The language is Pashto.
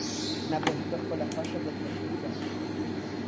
ناپوهي په خپله خوښه بدبختي ده.